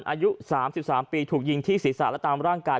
อายุสามสิบสามปีถูกยิงที่ศีรษะและตามร่างกาย